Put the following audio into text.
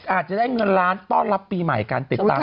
อาจจะได้เงินล้านต้อนรับปีใหม่การติดตาม